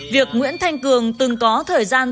việc nguyễn thanh cường từng có thời gian